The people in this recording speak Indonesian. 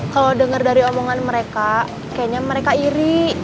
kalau dengar dari omongan mereka kayaknya mereka iri